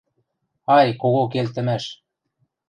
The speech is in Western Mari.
Ай, кого келтӹмӓш!